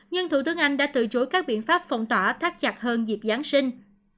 nhưng thủ tướng anh đã từ chối các biện pháp phong tỏa thắt chặt hơn dịp giáng sinh